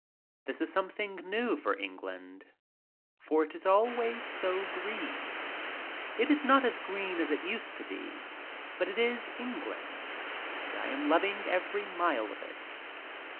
This is sc>mething new for England, for it is always so green. It is not as green as it used to be. But it is England, and I am loving every mile of it.